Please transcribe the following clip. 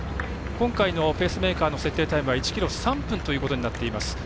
今回のペースメーカーの設定タイムは１ｋｍ３分ということになっています。